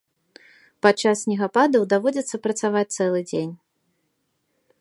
Падчас снегападаў даводзіцца працаваць цэлы дзень.